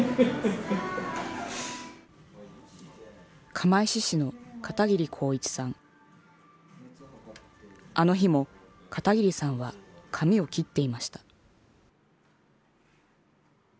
釜石市のあの日も片桐さんは髪を切っていました。